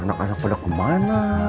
anak anak pada kemana